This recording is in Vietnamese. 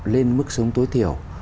lên mức sống tối thiểu